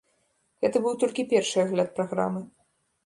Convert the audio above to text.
Гэта быў толькі першы агляд праграмы.